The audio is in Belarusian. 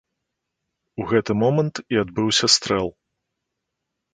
У гэты момант і адбыўся стрэл.